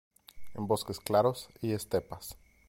En bosques claros y estepas.